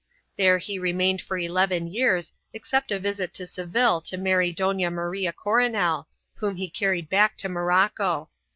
There he remained for eleven years, except a visit to Seville to marry Dona Maria Coronel, whom he carried back to Morocco.